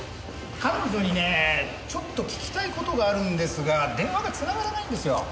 彼女にねちょっと聞きたい事があるんですが電話が繋がらないんですよ。